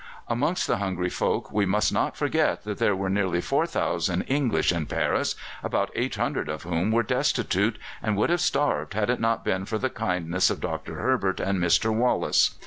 Amongst the hungry folk we must not forget that there were nearly 4,000 English in Paris, about 800 of whom were destitute, and would have starved had it not been for the kindness of Dr. Herbert and Mr. Wallace.